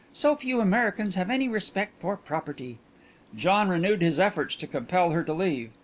So few Americans have any respect for property." John renewed his efforts to compel her to leave.